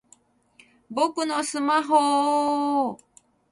僕のスマホぉぉぉ！